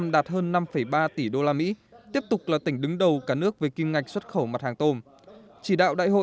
đại hội đại biểu đảng bộ tỉnh cà mau